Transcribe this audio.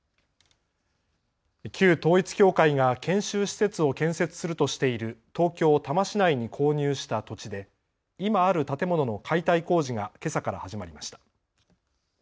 旧統一教会が研修施設を建設するとしている東京多摩市内に購入した土地で今ある建物の解体工事がけさから始まりました。